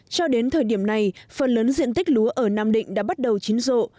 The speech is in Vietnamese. cho đến thời điểm này phần lớn diện tích lúa ở nam định đã bắt đầu chín rộ